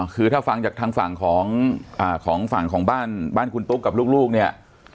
คือถ้าฟังจากทางฝั่งของฝั่งของบ้านบ้านคุณตุ๊กกับลูกเนี่ย